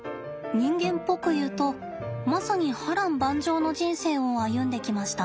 人間っぽくいうとまさに波乱万丈の人生を歩んできました。